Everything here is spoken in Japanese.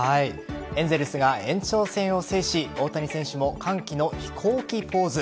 エンゼルスが延長戦を制し大谷選手も歓喜の飛行機ポーズ。